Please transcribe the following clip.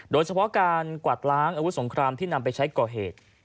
โดยเฉพาะการกวาดล้างอาวุธสงครามที่นำไปใช้ก่อเหตุ